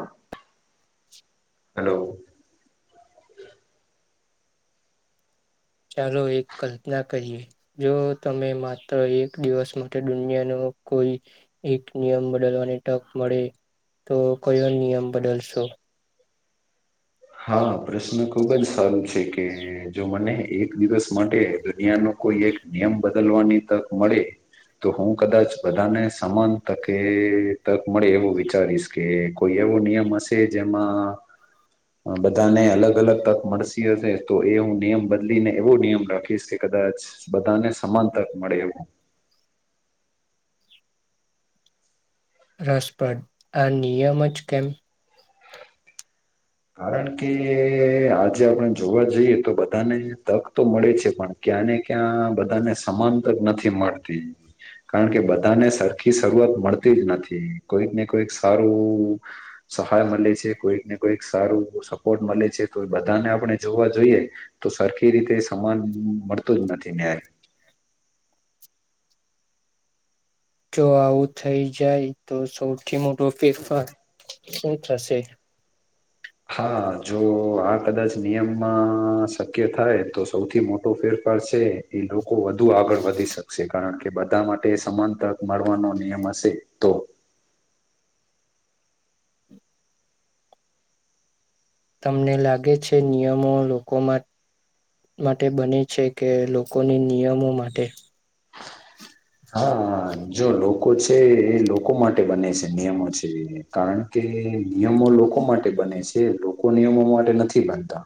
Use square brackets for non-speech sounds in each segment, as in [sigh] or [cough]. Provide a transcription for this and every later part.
[inaudible] હ ચાલો એક કલ્પના કરીએ જો તમે માત્ર એક દિવસ માટે દુનિયાનો કોઈ એક નિયમ બદલવાની તક મળે તો કોઈ નિયમ બદલશો હા પ્રશ્ન ખુબ જ સારું છે કે [inaudible] જો મને એક દિવસ માટે દુનિયાનો કોઈ એક નિયમ બદલવાની તક મળે તો હું કદાચ બધાને સમાન તકે તક મળે એવું વિચારીશ કે કોઈ એવો નિયમ હશે જેમાં [inaudible] બધાને અલગ અલગ તક મળસી હશે તો એ હું નિયમ બદલી ને એવો નિયમ રાખીશ કે કદાચ બધાને સમાંતક મળે એવું [inaudible] રસપ્રદ આ નિયમ જ કેમ કારણ કે આજે આપણે જોવા જઈએ તો બધાને તક તો મળે છે પણ ક્યાં ને ક્યાં બધાને સમાનત જ નથી મળતી કારણ કે બધાને સરખી શરૂઆત મળતી જ નથી કોઈક ને કોઈક સારું સહાય મળે છે કોઈક ને કોઈક સારું સપોર્ટ મળે છે તો એ બધાને આપણે જોવા જોઈએ તો સરખી રીતે સમાન મળતું જ નથી નેય [inaudible] જો આવું થઈ જાય તો સૌથી મોટો ફેરફાર શું થશે હા જો આ કદાચ નિયમમાં શક્ય થાય તો સૌથી મોટો ફેર એ લોકો વધુ આગળ વધી શકશે કારણ કે બધા માટે સમાન તક મળવાનો નિયમ સે તો [inaudible] તમને લાગે છે નિયમો લોકોમાં માટે બને છે કે લોકોની નિયમો માટે હા હા જો લોકો છે એ લોકો માટે બને છે નિયમો છે કારણ કે નિયમો લોકો માટે બને છે લોકો નિયમો માટે નથી બનતા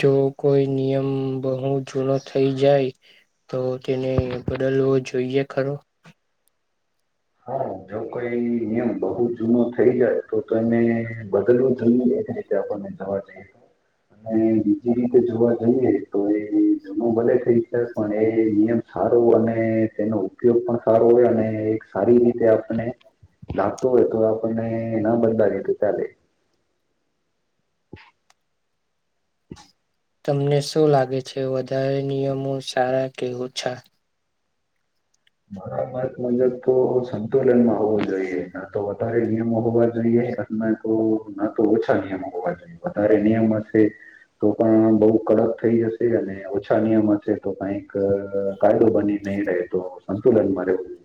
જો કોઈ નિયમ બહુ જૂનો થઈ જાય તો તેને બદલવો જોઈએ ખરો તો કોઈ નિયમ બહુ જૂનો થઈ જાય તો તો એને બદલવું જમ દ રીતે આપણને તો છે અને બીજી રીતે જોવા જઈએ તો એ જૂનું ભલે થઈ છે પણ એ નિયમ સારું અને તેનો ઉપયોગ પણ સારો હોય અને એક સારી રીતે આપને, લાગતો હોય તો આપણને ના બંધની તો ચાલે [inaudible] તમને શું લાગે છે વધારે નિયમો સારા કેવ ઓછા મારા મત મુજબ તો સંતુલનમાં હોવું જોઈએ ના તો વધારે નિયમો હોવા જોઈએ ઘટના તો ન તો ઓછા નિયમો હોવા જોઈએ વધારે નિયમ હશે તો પણ બઉુ કડક થઈ જશે અને ઓછા નિયમ હશે તો કઈક કાયદો બની નહી રહે તો સંતુલનમાં રહેવું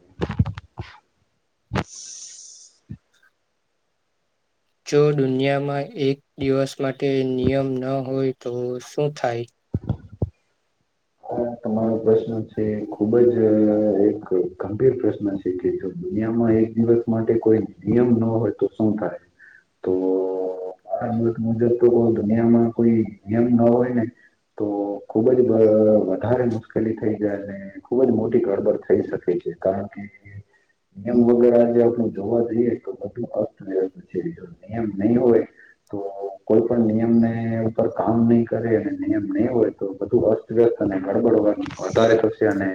જો દુનિયામાં એક દિવસ માટે નિયમ ન હોય તો શું થાય? હા તમારો પ્રશ્ન છે ખુબ જ અહ એક ગંભીર પ્રશ્ન છે કેત દુનિયામાં એક દિવસ માટે કોઈ નિયમ ન હોય તો શું થાય તો આ મૂક મુજબ તો દુનિયા માં કોઈ નિયમ ન હોય ને તો ખુબ જ ધ વધારે મુશ્કેલી થઈ જાય અને ખુબ જ મોટી ગડબડ થઈ શકે છે કારણ કે નિયમ વગર આજે આપડું જોવા જઈએ તો બધું અસ્તવ્યવસ્ છે. જો નિયમ નહી હોય તો કોઈ પણ નિયમને ઉપર કામ નહીં કરે અને નિયમ નહી હોય તો બધું અસ્તવ્યસ્ત ને ગડબડવા વધારે થશે અને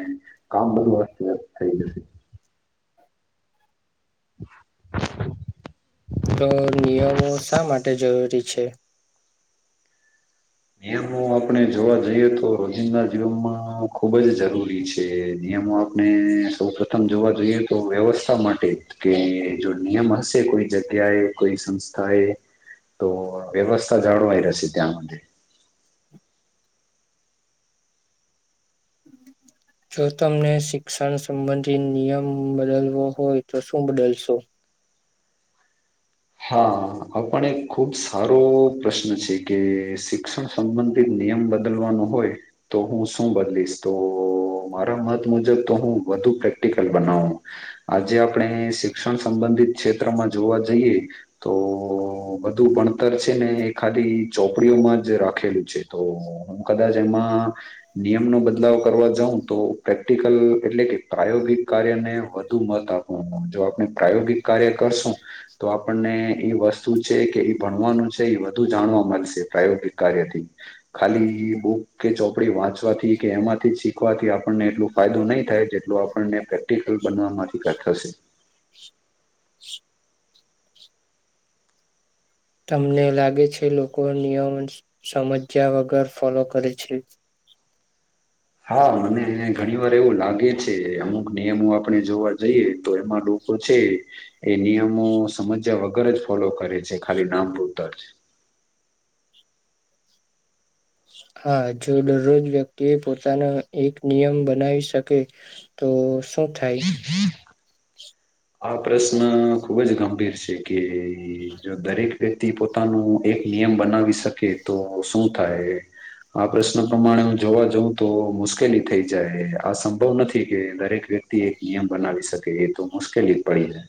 કામ બધું અસ્તવ્યસ્ત થઈ જશે. તો નિયમો શા માટે જરૂરી છે? નિયમો આપણે જોવા જઈએ તો રોજિંદા જીવનમાં ખુબ જ જરૂરી છે. નિયમો આપણે સૌ પ્રથમ જોવા જોઈએ તો વ્યવસ્થા માટે કે જો નિયમ હશે કોઈ જગ્યાએ કોઈ સંસ્થા એ તો વ્યવસ્થા જાળવાય રહેશે ત્યાં માટે. જો તમને શિક્ષણ સંબંધી નિયમ બદલવો હોય તો શું બદલશો? હા આપણ એક ખુબ સારો પ્રશ્ન છે કે શિક્ષણ સંબંધિત નિયમ બદલવાનો હોય તો હું શું બદલીશ. તો અહ મારા મત મુજબ તો હું ટી પ્રેક્ટિકલ બનાવો આજે આપણે શિક્ષણ સંબંધિત ક્ષેત્રમાં જોવા જઈએ તો બધું ભણતર છે ને એ ખાદી ચોપડીઓમાં જ રાખેલું છે તો હું કદાચ એમ માં નિયમ નો બદલાવ કરવા જઉ તો પ્રેક્ટિકલ એટલે ને વધુ મત આપું હું જો આપણે પ્રાયોગિક કાર્ય કરશું તો આપ પણને એ વસ્તુ છે કે એ ભણવાનું છે એ વધુ જાણવા મળશે પ્રાયોગિક કાર્યથી ખાલી બુક કે ચોપડી વાંચવાથી કે એમાંથી શીખવાથી આપણને એટલું ફાયદો નહી થાય છે જો આપણને પ્રેક્ટિકલ બનવાવા માંથી કાઈ થશે. તમને લાગે છે લોકો નિયમ સમજ્યા વગર ફોલો કરે છે? હા મને એ ઘણી વાર એવું લાગે છે અમુક નિયમો આપણે જોવા જઈએ તો એમાં લોક કો છે એ નિયમો સમજ્યા વગર જ ફોલો કરે છે ખાલી નામ પૂરતાજ. હા જો દરરોજ વ્યક્તિ એ પોતાનો એક નિયમ બનાવી શકે તો શું થાઈશ. આ પ્રશ્ન ખુબ જ ગંભીર છે કે જો દરેક વ્યક્તિ પોતાનું એક એ નિયમ બનાવી શકે તો શું થાય એ? આ પ્રશ્ન પ્રમાણે હું જોવા જઉં તો મુશ્કેલી થઈ જાય આ સંભવ નથી કે દરેક વ્યક્તિ એક નિયમ બનાવી શકે એ તો મુશ્કેલી પડી જાય.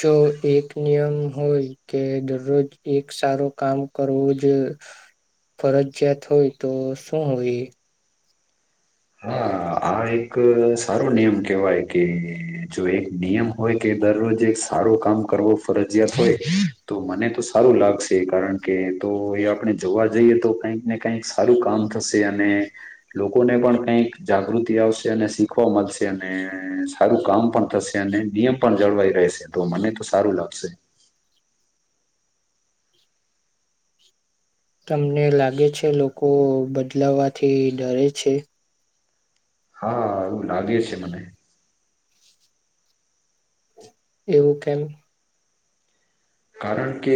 જો એક નિયમ હોય કે દરરોજ એક સારું કામ કરવું જો ફરજિયાત હોય તો શું હોય? હા આ એક અહ સારો નિયમ કેહેવાય કે જો એક નિયમ હોય કે દરરોજ એક સારો કામ કરવો ફરજિયાત હોય તો મને તો સારું લાગશે કારણ કે તો એ આપણે જોવા જઈએ તો કઈક ને કઈક સારું કામ થશે અને લોકોને પણ કઈક જાગૃતિ આવશે અને શીખવા મલશે ને સારું કામ પણ થશે અને નિયમ પણ જળવાય રહેશે તો મને તો સારું લાગશે. તમને લાગે છે લોકો બદલાવાથી ડરે છે? હા એવું લાગે છે મને. એવું કેમ? કારણ કે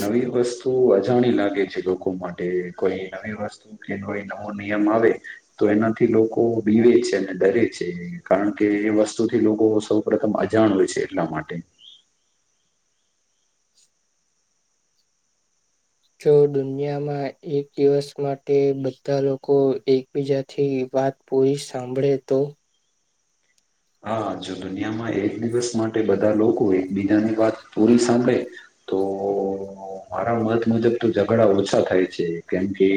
નવી વસ્તુ અજાણી લાગે છે લોકો માટે કોઈ નવી વસ્તુ કે કોઈ એ નવો નિયમ આવે તો એનાથી લોકો બીવે છે ને ડરે છે કારણ કે એ વસ્તુથી લોકો સૌ પ્રથમ અજાણ હોય છે એટલા માટે જો દુનિયામાં એક દિવસ માટે બધા લોકો એકબીજાથી વાત પૂરી સાંભળે તો હા જો દુનિયામાં એક દિવસ માટે બધા લોકો એકબીજાની વાત પૂરી સાંભળે તો મારા મત મુજબ તો ઝઘડા ઓછા થાય છે કેમ કે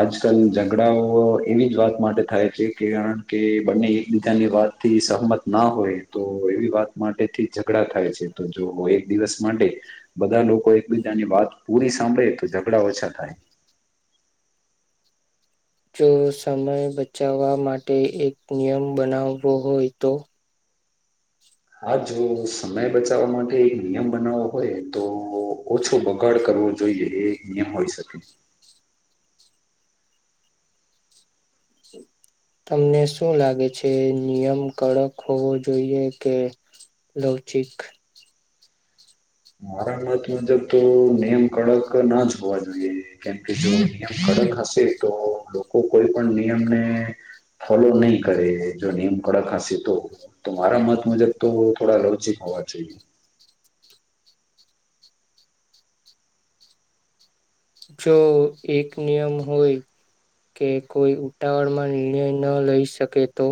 આજકાલ ઝઘડાઓ એવી જ વાત માટે થાય છે કે આન કે બંને એક બી જાની વાત થી સહમત ના હોય તો એવી વાત માટે થી ઝઘડા થાય છે તો જો એક દિવસ માટે બધા લોકો એકબીજાની વાત પૂરી સાંભળે તો ઝઘડા ઓછા થાય. જો સમય બચાવવા માટે એક નિયમ બનાવવો હોય તો હા જો સમય બચાવવા માટે એક નિયમ બનાવવો હોય તો ઓછો બગાડ કર વો જોઈએ એ નિયમ હોય શકે તમને શું લાગે છે નિયમ કડક હોવો જોઈએ કે લોચિક મારા મત મુજબ તો નિયમ કડક ના જ હોવા જોઈએ કેમ કે જો નિયમ કડક હશે તો લોકો કોઈ પણ નિયમને ફોલો નહીં કરે જો નિયમ કડક હશે તો તો મારા મત મુજબ તો થોડા રવચિક હો વા જઈએ જો એક નિયમ હોય કે કોઈ ઉતાવળમાં નિર્ણય ન લઈ શકે તો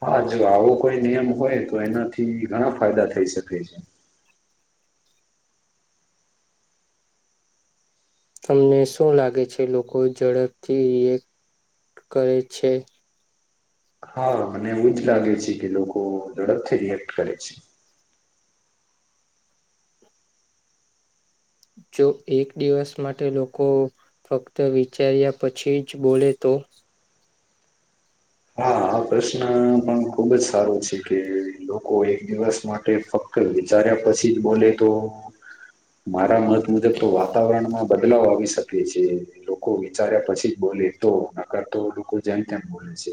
હા જો આવો કોઈ નિયમ હોય તો એનાથી ઘણા ફાયદા થઈ શકે છે. તમને શું લાગે છે લોકો ઝડપથી રિએક કરે છે. હા મને એવું જ લાગે છે કે લોકો ઝડપથી રિએક્ટ કરે છે. જો એક દિવસ માટે લોકો ફક્ત વિચાર્યા પછી જ બોલે તો [unintelligible] હા આ પ્રશ્ન પણ ખુબ જ સારું છે કે લોકો એક દિવસ માટે ફક્ત વિચાર્યા પછી જ બોલે તો મારા મત મુજબ તો વાતાવરણમાં બદલાવ આવી શકે છે લોકો વિચાર્યા પછી જ બોલે તો ન કર તો લોકો જેમ તેમ બોલે છે.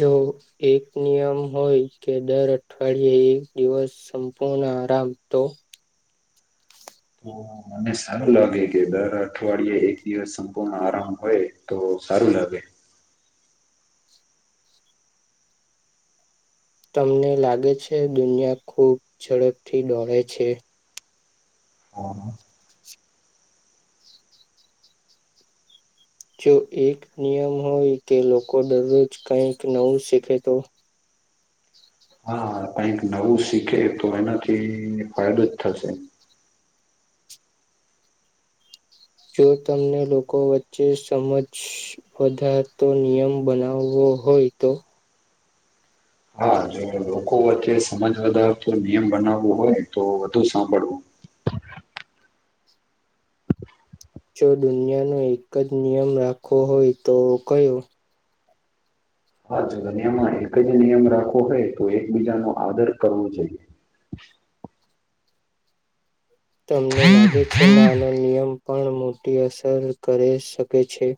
જો એક નિયમ હોય કે દર અઠવાડિયે એક દિવસ સંપૂર્ણ આરામ તો તો મને સારું લાગે કે દર અઠવાડિયે એક દિવસ સંપૂર્ણ આરામ હોય તો સારું લાગે તમને લાગે છે દુનિયા ખૂબ ઝડપથી દોડે છે. હ [unintelligible] જો એક નિયમ હોય કે લોકો દરરોજ કંઈક નવું શીખે તો હા કઈક નવું શીખે તો એનાથી ફાયદો જ થશે. જો તમને લોકો વચ્ચે સમજસ્સ્ વધારતો નિયમ બનાવવો ઓ હોય તો હા જો લોકો વચ્ચે સમજ વધારતો નિયમ બનાવવો હોય તો વધુ સાંભળવું [inaudible] [inaudible] જો દુનિયાનો એક જ નિયમ રાખવો હોય તો કયો? હા જો દુનિયામાં એક જ નિયમ રાખવો હોય તો એકબીજાનો આદર કરવો જોઈએ [inaudible] તમને લાગે છે નાનો નિયમ પણ મોટી અસર કરે શકે છે